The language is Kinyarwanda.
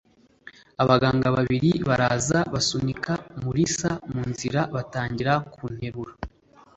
Abaganga babiri baraza basunika Mulisa mu nzira batangira kunterura.